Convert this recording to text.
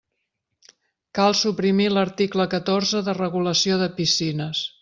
Cal suprimir l'article catorze de regulació de piscines.